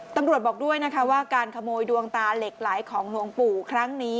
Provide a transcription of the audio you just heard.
ตำรวจบอกด้วยนะคะว่าการขโมยดวงตาเหล็กไหลของหลวงปู่ครั้งนี้